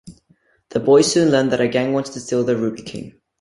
The boys soon learn that a gang wants to steal the Ruby King.